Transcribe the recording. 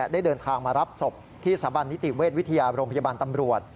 ได้เดินทางมารับศพที่สถาบันนิติเวชวิทยาโรงพยาบาลตำรวจ